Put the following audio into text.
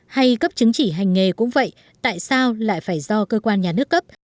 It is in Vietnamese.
hay cấp chứng chỉ hành nghề cũng vậy tại sao lại phải do cơ quan nhà nước cấp